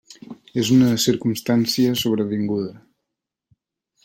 És una circumstància sobrevinguda.